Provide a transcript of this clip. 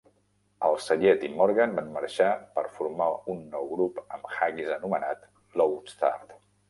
Al-Sayed i Morgan van marxar per formar un nou grup amb Haggis anomenat Lodestar.